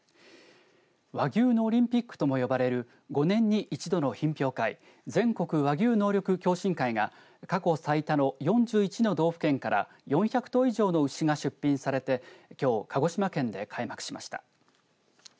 和牛のオリンピックとも呼ばれる５年に１度の品評会全国和牛能力共進会が過去最多の４１の道府県から４００頭以上の牛が出品されてきょう鹿児島県で開幕しました。